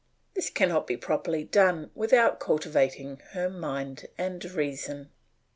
This cannot be properly done without cultivating her mind and reason.